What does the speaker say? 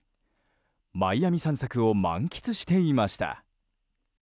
マイアミ散策を満喫していました。